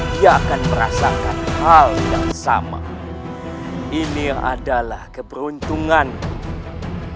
tidak akan hal yang sama ini adalah keberuntunganmu